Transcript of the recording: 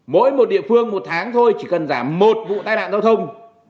mỗi một địa phương một tháng thôi chỉ cần giảm một vụ tai nạn giao thông